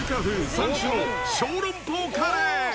３種の小籠包カレー。